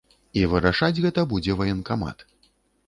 І вырашаць гэта будзе ваенкамат.